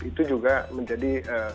itu juga menjadi